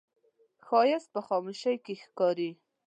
ښایست په خاموشۍ کې ښکاري